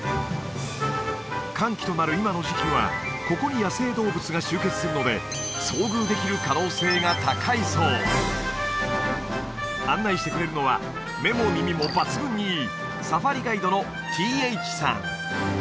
乾期となる今の時期はここに野生動物が集結するので遭遇できる可能性が高いそう案内してくれるのは目も耳も抜群にいいサファリガイドのＴＨさん